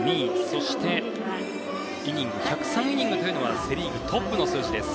そして１０３イニングというのはセ・リーグトップの数字です。